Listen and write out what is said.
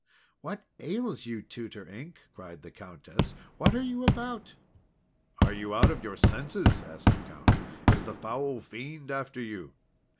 "What ails you, Tutor Ink?" cried the Countess. "What are you about?" "Are you out of your senses?" asked the Count. "Is the foul fiend after you?"